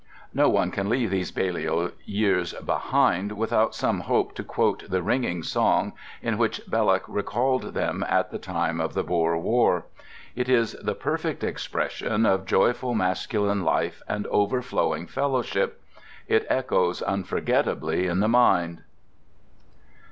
No one can leave those Balliol years behind without some hope to quote the ringing song in which Belloc recalled them at the time of the Boer War. It is the perfect expression of joyful masculine life and overflowing fellowship. It echoes unforgettably in the mind.